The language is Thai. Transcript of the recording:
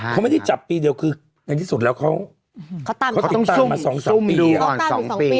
เค้าไม่ได้จับปีเดียวคืออันที่สุดแล้วเค้าติดตามมาสองปี